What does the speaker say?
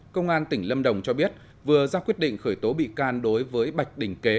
công an tỉnh lâm đồng cho biết vừa ra quyết định khởi tố bị can đối với bạch đình kế